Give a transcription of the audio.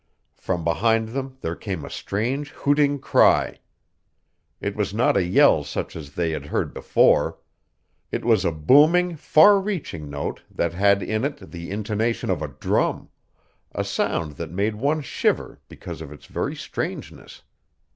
From behind them there came a strange hooting cry. It was not a yell such as they had heard before. It was a booming far reaching note that had in it the intonation of a drum a sound that made one shiver because of its very strangeness.